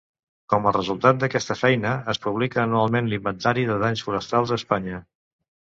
Com a resultat d'aquesta feina, es publica anualment l'inventari de danys forestals a Espanya.